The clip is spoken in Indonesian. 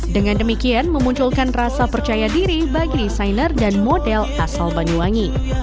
dengan demikian memunculkan rasa percaya diri bagi desainer dan model asal banyuwangi